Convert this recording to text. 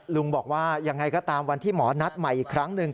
ลุงบอกว่ายังไงก็ตามวันที่หมอนัดใหม่อีกครั้งหนึ่ง